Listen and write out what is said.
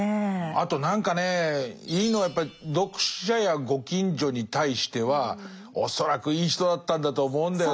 あと何かねいいのはやっぱり読者やご近所に対しては恐らくいい人だったんだと思うんだよな。